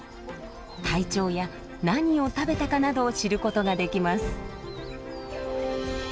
体調や何を食べたかなどを知ることができます。